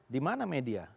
di mana media